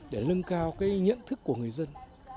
để lưng cao cái nhận thức của người dân